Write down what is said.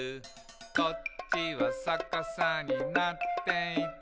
「こっちはさかさになっていて」